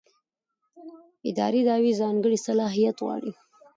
اداري دعوې ځانګړی صلاحیت غواړي.